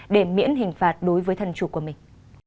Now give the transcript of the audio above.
để miễn hình phạt đối với thân chủ của mình